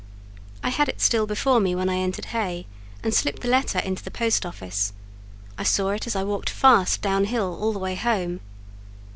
I had it still before me when I entered Hay, and slipped the letter into the post office; I saw it as I walked fast down hill all the way home.